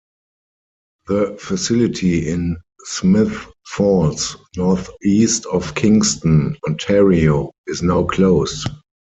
The facility in Smith Falls, north-east of Kingston, Ontario is now closed.